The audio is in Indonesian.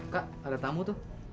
kak ada tamu tuh